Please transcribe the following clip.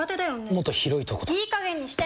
もっと広いところとかいい加減にして！